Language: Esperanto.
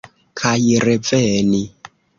Kaj reveni.